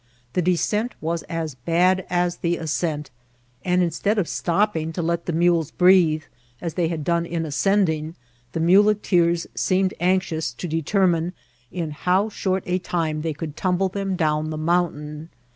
The descent was as bad as the ascent; and, instead of stopping to let the mules breathe, as they had done in ascending, the muleteers seemed anxious to determine in how short a time they could tumble them down the mountain.